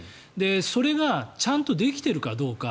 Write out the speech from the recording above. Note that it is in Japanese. それがちゃんとできているかどうか。